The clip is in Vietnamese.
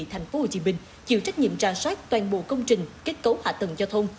tp hcm chịu trách nhiệm trả sát toàn bộ công trình kết cấu hạ tầng giao thông